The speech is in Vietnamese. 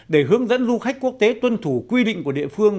để hướng dẫn du khách quốc tế tuân thủ quy định của địa phương